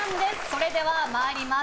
それでは参ります。